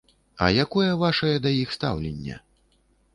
А якое вашае да іх стаўленне?